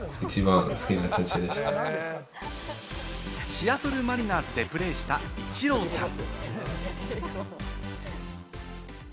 シアトル・マリナーズでプレーしたイチローさん。